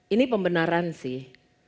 ini pembenaran sih